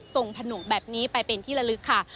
ผนกแบบนี้ไปเป็นที่ละลึกค่ะ